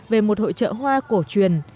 về một hội chợ hoa cổ truyền